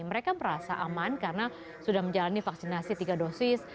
mereka merasa aman karena sudah menjalani vaksinasi tiga dosis